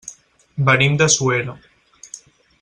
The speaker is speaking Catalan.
Venim de Suera.